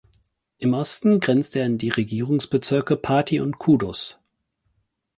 Im Osten grenzt er an die Regierungsbezirke Pati und Kudus.